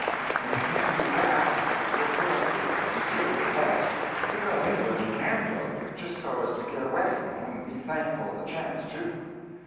And if you can't do that, you'll put up with considerable less; you'll go anywhere you can go, just so as to get away, and be thankful of the chance, too.